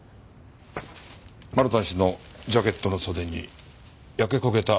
マルタン氏のジャケットの袖に焼け焦げた跡がありました。